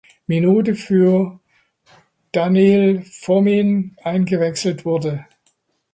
Minute für Daniil Fomin eingewechselt wurde.